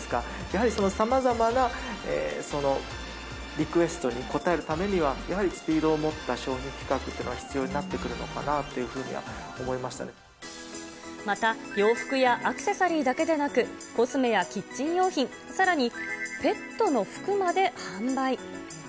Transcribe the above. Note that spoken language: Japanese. やはりそのさまざまなリクエストに応えるためには、やはりスピードを持った商品企画というのが必要になってくるのかまた、洋服やアクセサリーだけでなく、コスメやキッチン用品、さらにペットの服まで販売。